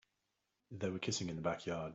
They were kissing in the backyard.